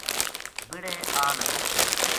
بہڑے آ لگو